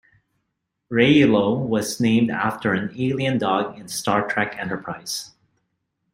Railo was named after an alien dog in Star Trek Enterprise.